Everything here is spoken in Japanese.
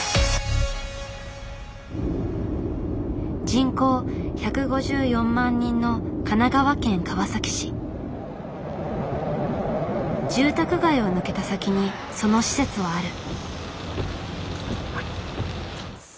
人口１５４万人の住宅街を抜けた先にその施設はある。